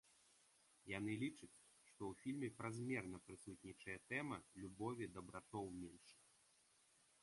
Яны лічаць, што ў фільме празмерна прысутнічае тэма любові да братоў меншых.